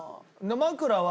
枕は。